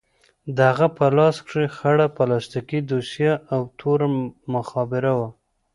د هغه په لاس کښې خړه پلاستيکي دوسيه او توره مخابره وه.